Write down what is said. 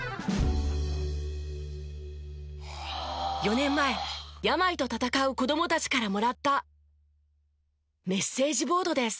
４年前病と闘う子どもたちからもらったメッセージボードです。